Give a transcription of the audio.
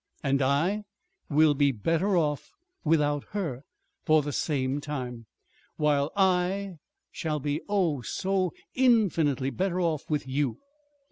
"And I?" "Will be better off without her for the same time. While I shall be, oh, so infinitely better off with you.